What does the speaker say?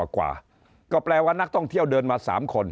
กว่าก็แปลว่านักท่องเที่ยวเดินมา๓คน